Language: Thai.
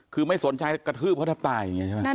คือไม่สนใจกระทืบเขาแทบตายอย่างนี้ใช่ไหม